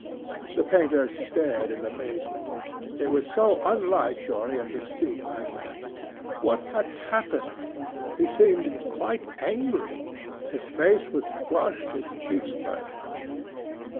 The painter stared in amazement. It was so unlike Dorian to speak like that. What had happened? He seemed quite angry. His face was flushed and his cheeks burning.